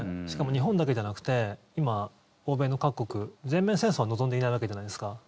しかも日本だけじゃなくて今、欧米の各国全面戦争は望んでいないわけじゃないですか。